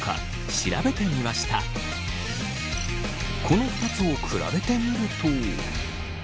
この２つを比べてみると。